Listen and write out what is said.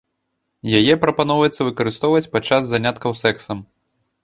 Яе прапаноўваецца выкарыстоўваць падчас заняткаў сэксам.